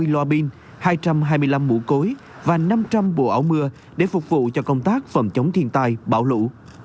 một trăm ba mươi loa pin hai trăm hai mươi năm mũ cối và năm trăm linh bộ áo mưa để phục vụ cho công tác phẩm chống thiên tai bão lũ